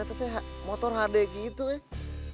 atau kayak motor hd gitu ya